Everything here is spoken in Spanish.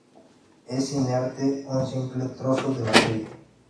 Es inerte, un simple trozo de materia.